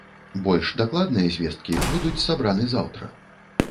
Больш дакладныя звесткі будуць сабраны заўтра.